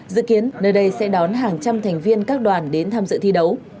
dự kiến nơi đây sẽ đón hàng trăm thành viên các đoàn đến tham dự thi đấu